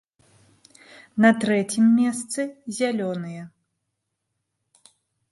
На трэцім месцы зялёныя.